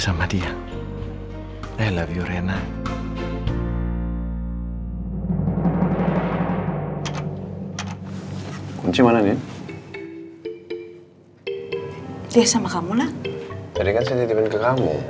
sama dia i love you rena kunci mana nih dia sama kamu lah jadi kan saya titipin ke kamu